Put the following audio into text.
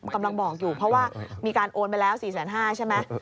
กำลังบอกอยู่เพราะว่ามีการโอนไปแล้ว๔๕๐๐ใช่ไหม